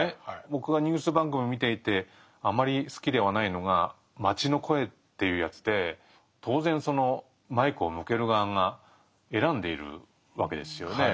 僕がニュース番組を見ていてあまり好きではないのが「街の声」っていうやつで当然そのマイクを向ける側が選んでいるわけですよね。